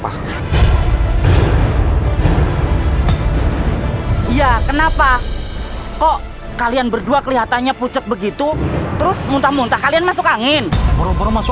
hai kok kalian berdua kelihatannya pucat begitu terus muntah muntah kalian masuk angin baru masuk